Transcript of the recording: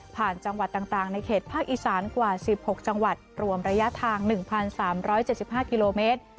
จังหวัดต่างในเขตภาคอีสานกว่า๑๖จังหวัดรวมระยะทาง๑๓๗๕กิโลเมตร